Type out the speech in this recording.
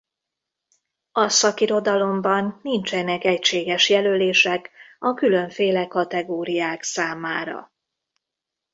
A szakirodalomban nincsenek egységes jelölések a különféle kategóriák számára.